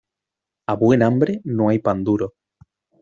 A buen hambre no hay pan duro.